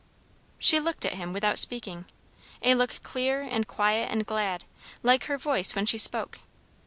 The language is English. She looked at him without speaking; a look clear and quiet and glad, like her voice when she spoke.